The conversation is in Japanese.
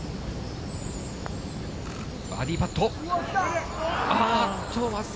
バーディーパット。